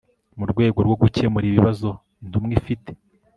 mu rwego rwo gukemura ibibazo intumwa ifite